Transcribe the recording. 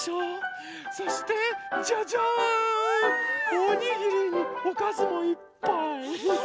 おにぎりにおかずもいっぱい！